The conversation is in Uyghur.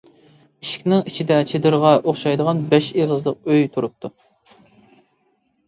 ئىشىكنىڭ ئىچىدە چېدىرغا ئوخشايدىغان بەش ئېغىزلىق ئۆي تۇرۇپتۇ.